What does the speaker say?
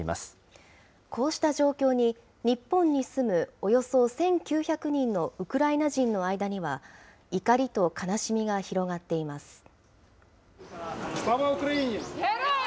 こうした状況に、日本に住むおよそ１９００人のウクライナ人の間には、怒りと悲しみが広がっています。